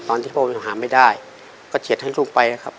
ตอนที่พ่อยังหาไม่ได้ก็เฉียดให้ลูกไปนะครับ